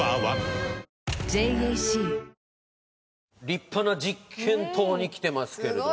立派な実験棟に来てますけれども。